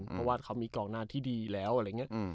เพราะว่าเขามีกองหน้าที่ดีแล้วอะไรอย่างนี้